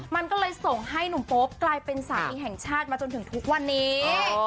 มันก็เลยส่งให้หนุ่มโป๊ปกลายเป็นสามีแห่งชาติมาจนถึงทุกวันนี้